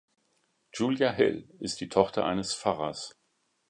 Julia Hill ist die Tochter eines Pfarrers.